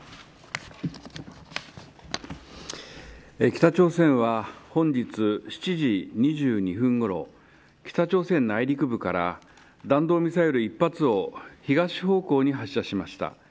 北朝鮮は、本日７時２２分ごろ北朝鮮内陸部から弾道ミサイル１発を東方向に発射しました。